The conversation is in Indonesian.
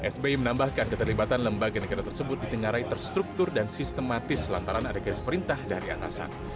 sbi menambahkan keterlibatan lembaga negara tersebut di tengah rai terstruktur dan sistematis lantaran adegan seperintah dari atasan